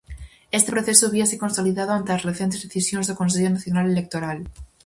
Este proceso víase consolidado ante as recentes decisións do Consello Nacional Electoral.